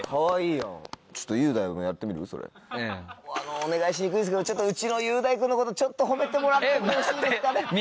お願いしにくいんですけどちょっとうちの雄大君のことちょっと褒めてもらってもよろしいですかね？